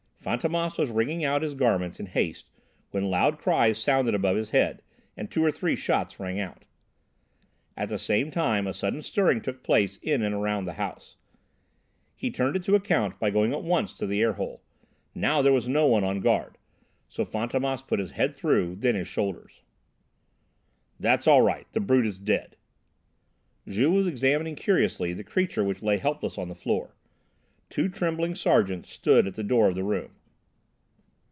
Fantômas was wringing out his garments in haste when loud cries sounded above his head, and two or three shots rang out. At the same time a sudden stirring took place in and around the house. He turned it to account by going at once to the air hole. Now there was no one on guard, so Fantômas put his head through, then his shoulders. "That's all right; the brute is dead!" Juve was examining curiously the creature which lay helpless on the floor. Two trembling sergeants stood at the door of the room.